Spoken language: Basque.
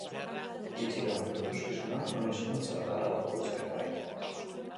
Hitzik gabeko ikuskizuna, non hizkuntza bakarra gorputzarena baita.